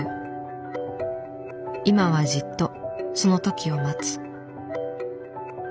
今はじっとその時を待つ。